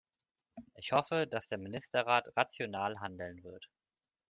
Ich hoffe, dass der Ministerrat rational handeln wird.